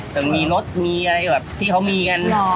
จนมีรถที่เค้ามีกัน